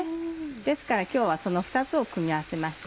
ですから今日はその２つを組み合わせました。